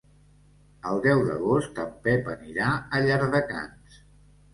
El deu d'agost en Pep anirà a Llardecans.